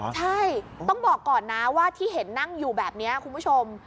ใช่ต้องบอกก่อนนะว่าที่เห็นนั่งอยู่แบบนี้คุณผู้ชม